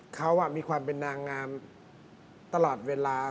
เขามีความเป็นนางงามตลอดเวลา